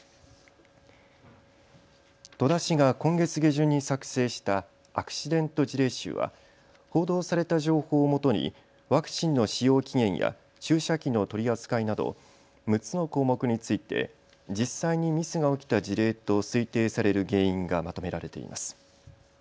戸田市が今月下旬に作成したアクシデント事例集は報道された情報をもとにワクチンの使用期限や注射器の取り扱いなど６つの項目について実際にミスが起きた事例と推定される原因がまとめられています。